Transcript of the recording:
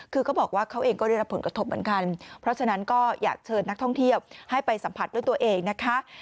คือเขาบอกว่าเขาเองก็ได้รับผลกระทบเหมือนกันเพราะฉะนั้นก็อยากเชิญนักท่องเที่ยวให้ไปสัมผัสด้วยตัวเองนะคะ